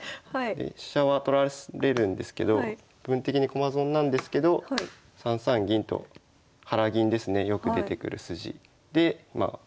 で飛車は取られるんですけど部分的に駒損なんですけど３三銀と腹銀ですねよく出てくる筋で受けなしになります。